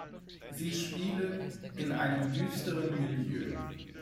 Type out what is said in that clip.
Sie spielen in einem düsteren Milieu.